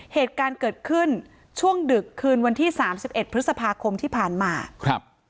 เหตุการณ์เกิดขึ้นช่วงดึกคืนวันที่สามสิบเอ็ดพฤษภาคมที่ผ่านมาครับ